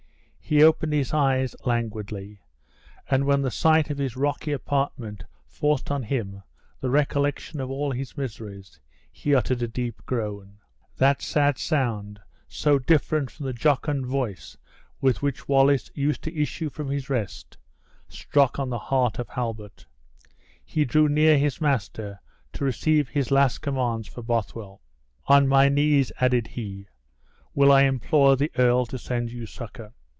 He opened his eyes languidly, and when the sight of his rocky apartment forced on him the recollection of all his miseries, he uttered a deep groan. That sad sound, so different from the jocund voice with which Wallace used to issue from his rest, struck on the heart of Halbert; he drew near his master to receive his last commands for Bothwell. "On my knees," added he, "will I implore the earl to send you succor."